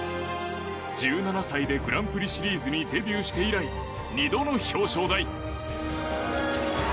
１７歳でグランプリシリーズにデビューして以来２度の表彰台。